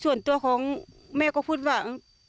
ส่วนตัวของแม่ก็พูดว่า